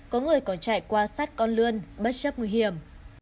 có người còn chạy qua sát con lươn bất chấp nguy hiểm